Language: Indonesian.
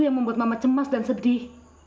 yang membuat mama cemas dan sedih